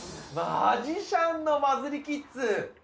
マジシャンのバズりキッズ。